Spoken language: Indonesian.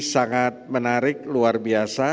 sangat menarik luar biasa